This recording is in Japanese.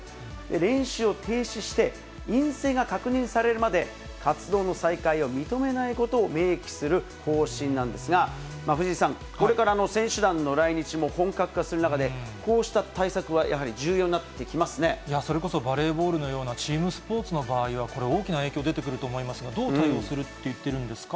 練習を停止して、陰性が確認されるまで、活動の再開を認めないことを明記する方針なんですが、藤井さん、これから選手団の来日も本格化する中で、こうした対策はやはり重それこそ、バレーボールのようなチームスポーツの場合はこれ、大きな影響出てくると思いますが、どう対応するって言っているんですか？